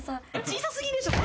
小さ過ぎでしょ。